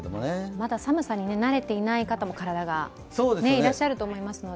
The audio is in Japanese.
まだ寒さに慣れていない方がいらっしゃると思いますので。